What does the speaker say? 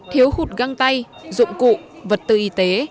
thiếu hụt găng tay dụng cụ vật tư y tế